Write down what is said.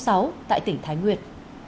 đề án sáu tại tỉnh thái nguyên